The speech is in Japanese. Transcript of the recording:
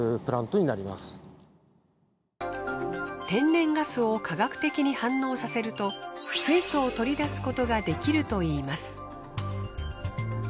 天然ガスを化学的に反応させると水素を取り出すことができるといいます。